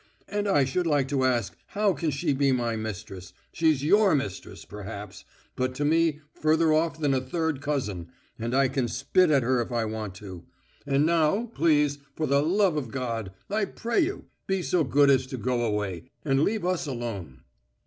"And I should like to ask how can she be my mistress? She's your mistress, perhaps, but to me further off than a third cousin, and I can spit at her if I want to. And now, please, for the love of God ... I pray you ... be so good as to go away ... and leave us alone."